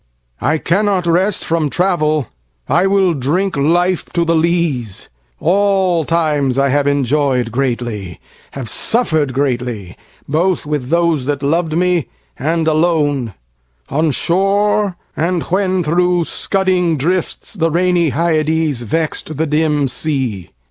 I cannot rest from travel: I will drinkLife to the lees: all times I have enjoy'dGreatly, have suffer'd greatly, both with thoseThat lov'd me, and alone; on shore, and whenThro' scudding drifts the rainy HyadesVex'd the dim sea.